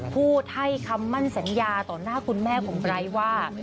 พูดให้คำมั่นสัญญาต่อหน้าคุณแม่ของไร้ว่า